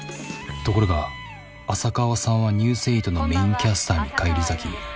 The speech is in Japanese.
ところが浅川さんは「ニュース８」のメインキャスターに返り咲き。